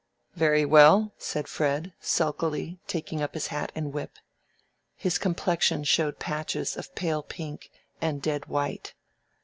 "Very well," said Fred, sulkily, taking up his hat and whip. His complexion showed patches of pale pink and dead white.